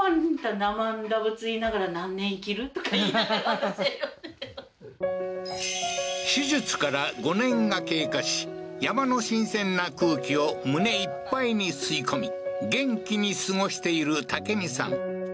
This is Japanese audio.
はっ手術から５年が経過し山の新鮮な空気を胸いっぱいに吸い込み元気に過ごしている武美さん